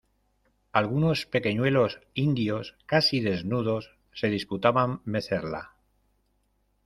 algunos pequeñuelos indios, casi desnudos , se disputaban mecerla.